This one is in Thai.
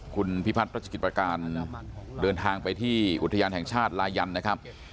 คุณพิพัฒน์รัชกิจประการเดินทางไปที่อุทยานแห่งชาติลายันนะครับ